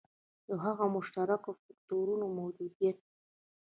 د هغو مشترکو فکټورونو موجودیت.